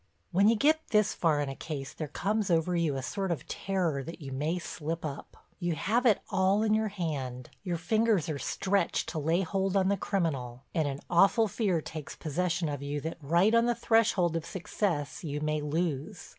When you get this far on a case there comes over you a sort of terror that you may slip up. You have it all in your hand, your fingers are stretched to lay hold on the criminal, and an awful fear takes possession of you that right on the threshold of success you may lose.